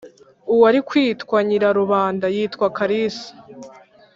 Uwari kwitwa Nyirarubanda yitwa kalisa